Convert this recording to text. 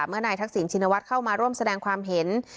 เมื่อนายทักษิณชินวัฒน์เข้ามาร่วมแสดงความเห็น